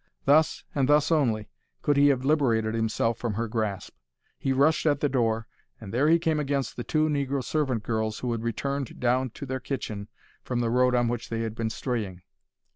Thus, and thus only, could he have liberated himself from her grasp. He rushed at the door, and there he came against the two negro servant girls who had returned down to their kitchen from the road on which they had been straying.